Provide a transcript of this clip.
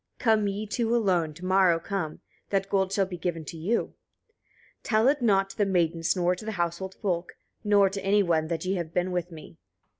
"Come ye two alone, to morrow come; that gold shall be given to you. 21. Tell it not to the maidens, nor to the household folk, nor to any one, that ye have been with me."